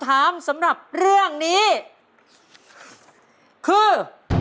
ถามสำหรับเรื่องนี้คือ